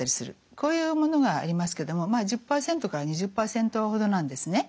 こういうものがありますけども１０％から２０％ほどなんですね。